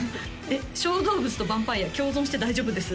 えっ小動物とヴァンパイア共存して大丈夫です？